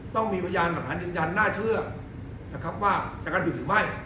ต้องมีปัญญาณหนังหาค้นนิจจันทร์น่าเชื่อนะครับว่าจะการผิดหรือไม่